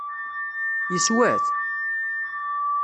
Yeswa-t?